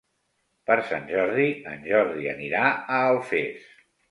Per Sant Jordi en Jordi anirà a Alfés.